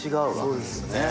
そうですよね。